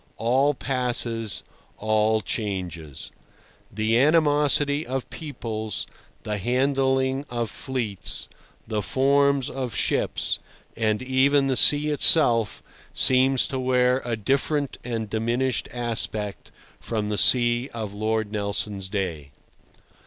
All passes, all changes: the animosity of peoples, the handling of fleets, the forms of ships; and even the sea itself seems to wear a different and diminished aspect from the sea of Lord Nelson's day.